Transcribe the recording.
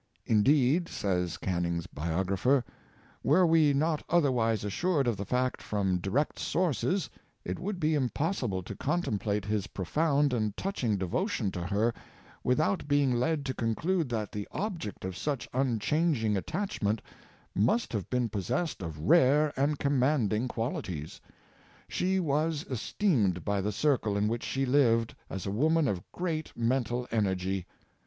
" In deed," says Canning's biographer, "were we not other wise assused of the fact from direct sources, it would be impossible to contemplate his profound and touching de votion to her without being led to conclude that the object of such unchanging attachment must have been possessed of rare and commanding qualities. She was esteemed by the circle in which she lived as a woman of great mental energy.